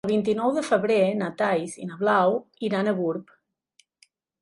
El vint-i-nou de febrer na Thaís i na Blau iran a Gurb.